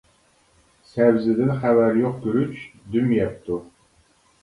سەۋزىدىن خەۋەر يوق گۈرۈچ دۈم يەپتۇ.